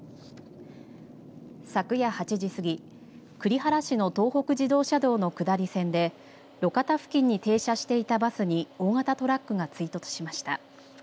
昨夜８時過ぎ栗原市の東北自動車道の下り線で路肩付近に停車していたバスに大型トラックが追突しました。